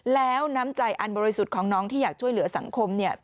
แล้วน้ำใจอันบริสุทธิ์ของน้องที่อยากช่วยเหลือสังคมเนี่ย